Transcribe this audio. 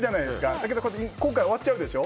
だけど今回、終わっちゃうでしょ。